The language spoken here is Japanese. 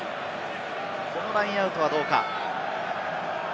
このラインアウトはどうか。